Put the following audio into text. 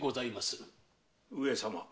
上様。